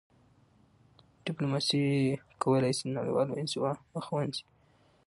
ډیپلوماسي کولای سي د نړیوالي انزوا مخه ونیسي..